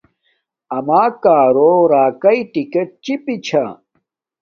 اما کارو راکانا ٹکٹ چپی چھا